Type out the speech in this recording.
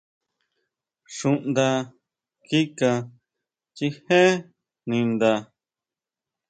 Xuʼnda kika chijé ninda.